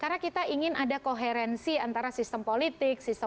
karena kita ingin ada koherensi antara sistem politik sistem pemilu